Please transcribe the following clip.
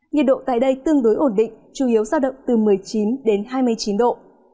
nhiệt độ tại đây tương đối ổn định chủ yếu giao động từ một mươi chín đến hai mươi chín độ